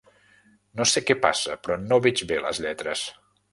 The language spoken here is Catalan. No sé què passa, però no veig bé les lletres.